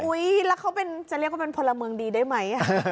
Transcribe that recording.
แล้วเขาจะเรียกว่าเป็นพลเมืองดีได้ไหม